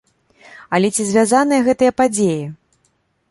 Але ці звязаныя гэтыя падзеі?